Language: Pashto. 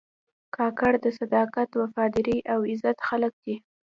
کاکړ د صداقت، وفادارۍ او عزت خلک دي.